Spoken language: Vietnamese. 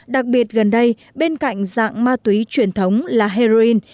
đặc biệt gần đây bên cạnh dạng ma túy truyền thống là heroin